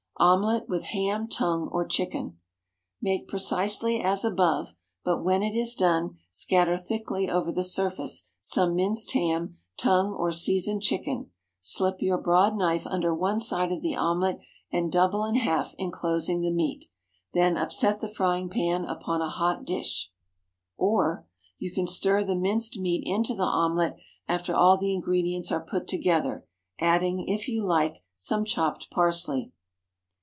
OMELETTE WITH HAM, TONGUE, OR CHICKEN. ✠ Make precisely as above; but when it is done, scatter thickly over the surface some minced ham, tongue, or seasoned chicken, slip your broad knife under one side of the omelette and double in half, enclosing the meat. Then upset the frying pan upon a hot dish. Or, You can stir the minced meat into the omelette after all the ingredients are put together, adding, if you like, some chopped parsley.